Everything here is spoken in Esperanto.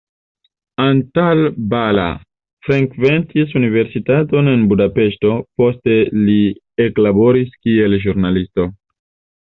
Antal Balla frekventis universitaton en Budapeŝto, poste li eklaboris kiel ĵurnalisto.